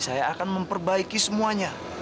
saya akan memperbaiki semuanya